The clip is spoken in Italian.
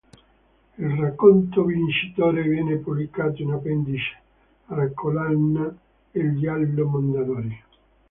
Il racconto vincitore viene pubblicato in appendice alla collana Il Giallo Mondadori.